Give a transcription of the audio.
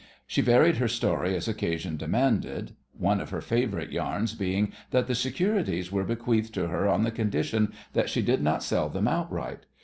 She varied her story as occasion demanded, one of her favourite yarns being that the securities were bequeathed to her on the condition that she did not sell them outright.